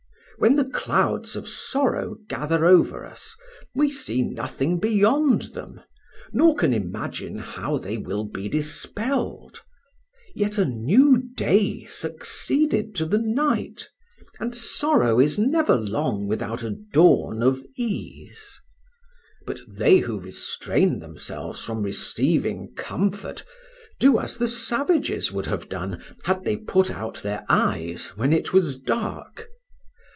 When the clouds of sorrow gather over us, we see nothing beyond them, nor can imagine how they will be dispelled; yet a new day succeeded to the night, and sorrow is never long without a dawn of ease. But they who restrain themselves from receiving comfort do as the savages would have done had they put out their eyes when it was dark.